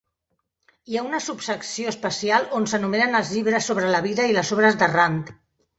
Hi ha una subsecció especial on s'enumeren els llibres sobre la vida i les obres de Rand.